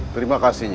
terima kasih nyi